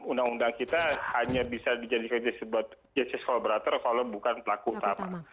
undang undang kita hanya bisa dijadikan justice collaborator kalau bukan pelaku utama